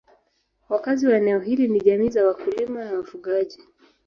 Wakazi wa eneo hili ni jamii za wakulima na wafugaji.